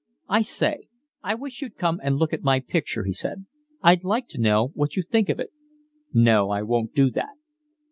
"I say I wish you'd come and look at my picture," he said. "I'd like to know what you think of it." "No, I won't do that."